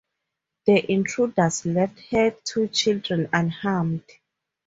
The intruders left her two children unharmed.